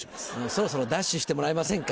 そろそろダッシュしてもらえませんか？